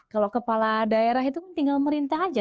kalau kepala daerah itu kan tinggal merintah aja